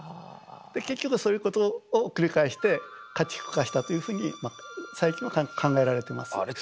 結局そういうことを繰り返して家畜化したというふうに最近は考えられてます。